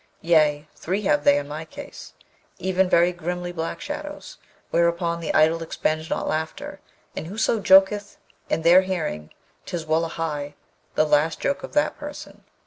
yea, three have they in my case, even very grimly black shadows, whereon the idle expend not laughter, and whoso joketh in their hearing, 'tis, wullahy! the last joke of that person.